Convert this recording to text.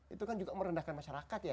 itu kan juga merendahkan masyarakat ya